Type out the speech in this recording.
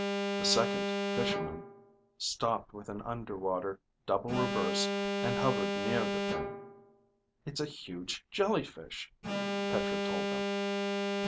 The Second Fisherman stopped with an underwater double reverse and hovered near the thing. (It's a huge jellyfish, Petra told them.)